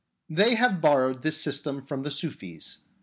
They have borrowed this system from the Sufis.